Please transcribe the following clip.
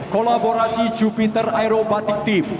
kolaborasi jupiter aerobatic team